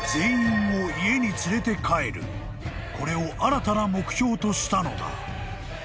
［これを新たな目標としたのだ］